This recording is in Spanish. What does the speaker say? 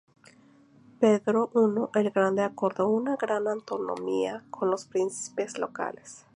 Pedro I el Grande acordó una gran autonomía con los príncipes locales.